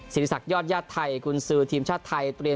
ศิริษักยอดยาติไทยคุณซื้อทีมชาติไทย